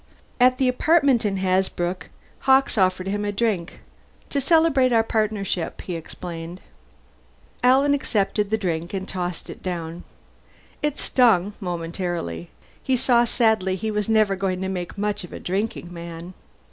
At the apartment in Hasbrouck, Hawkes offered him a drink. "To celebrate our partnership," he explained. Alan accepted the drink and tossed it down. It stung, momentarily; he saw sadly he was never going to make much of a drinking man.